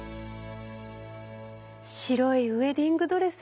白いウェディングドレス